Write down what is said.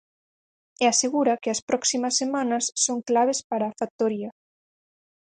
E asegura que as próximas semanas son claves para a factoría.